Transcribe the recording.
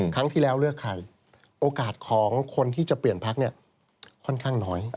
ครั้งที่แล้วเลือกใครโอกาสของคนที่จะเปลี่ยนพักเนี่ยค่อนข้างน้อย